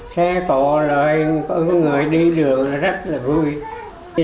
xe có lời có người đi đường là rất là vui